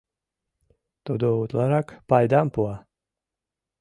Тудо утларак пайдам пуа.